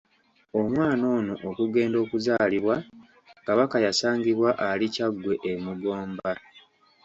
Omwana ono okugenda okuzaalibwa, Kabaka yasangibwa ali Kyaggwe e Mugomba.